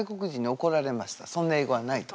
そんな英語はないと。